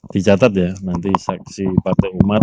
dicatat ya nanti saksi partai umat